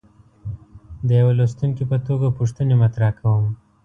د یوه لوستونکي په توګه پوښتنې مطرح کوم.